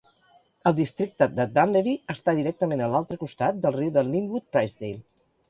El districte de Dunlevy està directament a l'altre costat del riu de Lynnwood-Pricedale.